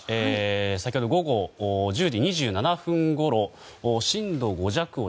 先ほど午後１０時２７分ごろ震度５弱を